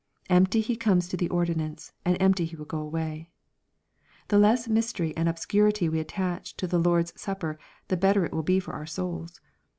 Empty he comes to the ordinance and empty he will go away. The less mystery £|,nd obscurity we attach to the Lord s supper, the better will it be for our souls.